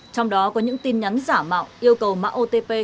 trong đó có những tin nhắn giả mạo yêu cầu mạng otp